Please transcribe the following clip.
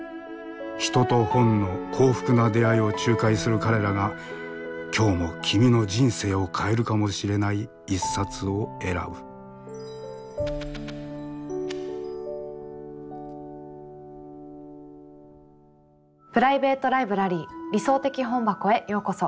人と本の幸福な出会いを仲介する彼らが今日も君の人生を変えるかもしれない一冊を選ぶプライベート・ライブラリー「理想的本箱」へようこそ。